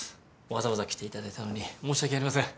わざわざ来ていただいたのに申し訳ありません。